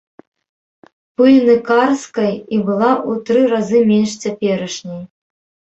Пыльныкарскай і была ў тры разы менш цяперашняй.